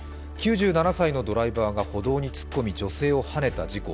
９７歳のドライバーが歩道に突っ込み女性をはねた事故。